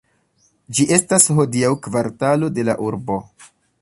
Ĝi estas hodiaŭ kvartalo de la urbo.